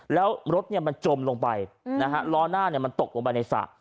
แล้วรถมันจมลงไปล้อหน้ามันตกลงไปในสระ